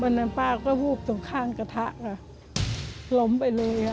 เมื่อนั้นป้าก็บูบตรงข้างกระทะล่ฝลมไปเลยค่ะ